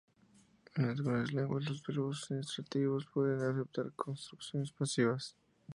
En algunas lenguas los verbos intransitivos pueden aceptar construcciones pasivas.